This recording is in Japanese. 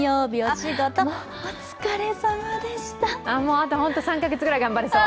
あと３か月くらい頑張れそう。